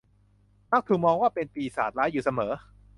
มักถูกมองเป็นปีศาจร้ายอยู่เสมอ